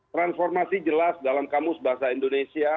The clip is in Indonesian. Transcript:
transformasi jelas dalam kamus bahasa indonesia